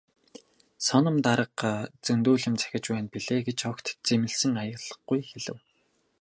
"Соном дарга зөндөө л юм захиж байна билээ" гэж огт зэмлэсэн аялгагүй хэлэв.